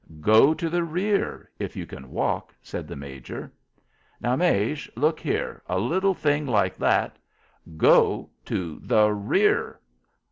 "Go to the rear if you can walk," said the major. "Now, Maje, look here. A little thing like that " "Go to the rear."